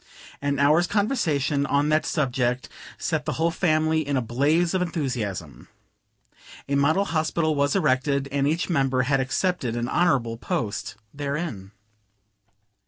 An hour's conversation on the subject set the whole family in a blaze of enthusiasm. A model hospital was erected, and each member had accepted an honorable post therein.